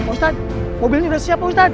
pak ustadz mobil ini sudah siap pak ustadz